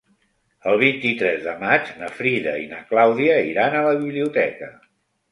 El vint-i-tres de maig na Frida i na Clàudia iran a la biblioteca.